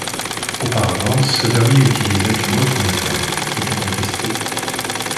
Auparavant ce dernier utilisait une autre méthode, qui était contestée.